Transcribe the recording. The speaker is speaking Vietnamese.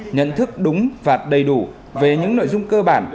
nhận thức đúng và đầy đủ về những nội dung cơ bản